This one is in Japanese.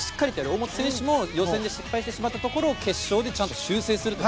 大本選手も予選で失敗してしまったところを決勝でちゃんと修正すると。